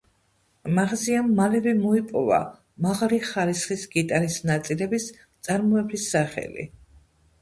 მაღაზიამ მალევე მოიპოვა მაღალი ხარისხის გიტარის ნაწილების მწარმოებლის სახელი.